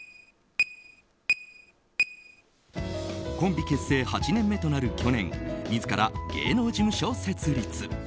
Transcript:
コンビ結成８年目となる去年自ら芸能事務所設立。